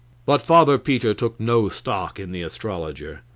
But Father Peter took no stock in the astrologer.